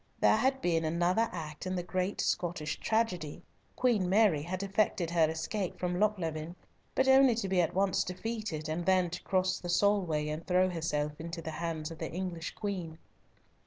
There had been another act in the great Scottish tragedy. Queen Mary had effected her escape from Lochleven, but only to be at once defeated, and then to cross the Solway and throw herself into the hands of the English Queen.